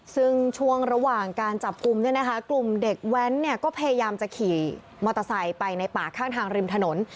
ซึ่งช่วงระหว่างการจับกลุ่มเนี่ยนะคะกลุ่มเด็กแว้นเนี่ยก็พยายามจะขี่มอเตอร์ไซค์ไปในป่าข้างทางริมถนน